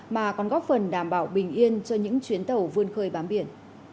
mà còn góp phần đảm bảo bình yên cho những chuyến tàu vươn khơi bám biển